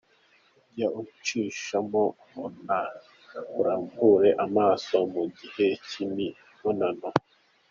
Jya ucishamo urambure amaso mu gihe cy’imibonano.